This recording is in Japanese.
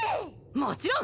もちろん！